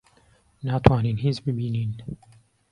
ناتوانین هیچ ببینین.